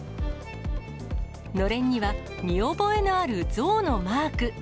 のれんには、見覚えのある象のマーク。